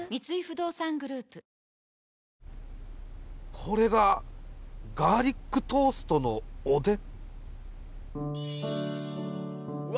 これがガーリックトーストのおでん？